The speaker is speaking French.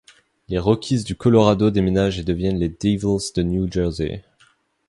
Les Rockies du Colorado déménagent et deviennent les Devils du New Jersey.